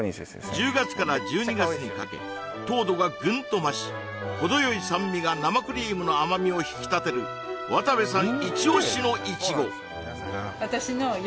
１０月から１２月にかけ糖度がグンと増し程よい酸味が生クリームの甘みを引き立てる渡部さん